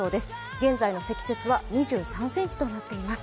現在の積雪は２３ｃｍとなっています。